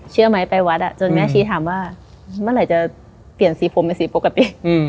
เชื่อไหมไปวัดจนแม่ชี้ถามว่าเมื่อไหร่จะเปลี่ยนสีผมเป็นสีปกติ